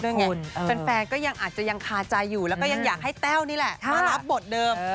แฟนก็ยังอาจจะยังคาใจอยู่แล้วก็ยังอยากให้แต้วนี่แหละมารับบทเดิม